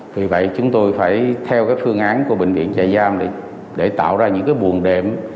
vì vậy chúng tôi phải theo phương án của bệnh viện giả giam để tạo ra những buồn đệm